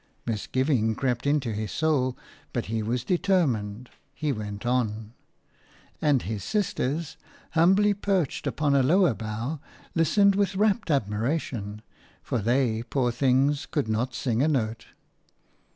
Misgiving crept into his soul, but he was determined, he went on; and his sisters, humbly perched upon a lower bough, listened with rapt admiration – for they, poor things, could not sing a note.